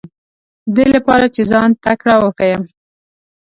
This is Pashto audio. دې لپاره چې ځان تکړه وښیم.